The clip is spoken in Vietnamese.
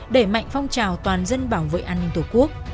đẩy mạnh phong trào toàn dân bảo vệ an ninh tổ quốc